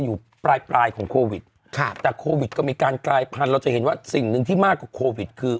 อยู่ปลายปลายของโควิดค่ะแต่โควิดก็มีการกลายพันธุ์เราจะเห็นว่าสิ่งหนึ่งที่มากกว่าโควิดคือ